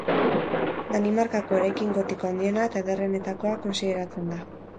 Danimarkako eraikin gotiko handiena eta ederrenetakoa kontsideratzen da.